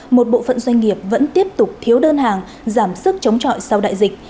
một bộ phận doanh nghiệp vẫn tiếp tục thiếu đơn hàng giảm sức chống trọi sau đại dịch